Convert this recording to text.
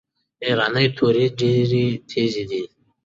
ایرانۍ توري ډیري تیزي دي.